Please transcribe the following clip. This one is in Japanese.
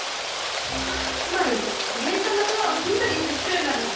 つまり電車のドアをヒントにして作るんだね。